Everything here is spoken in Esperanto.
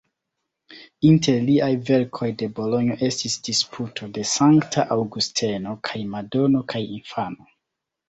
Inter liaj verkoj de Bolonjo estis "Disputo de Sankta Aŭgusteno" kaj "Madono kaj infano".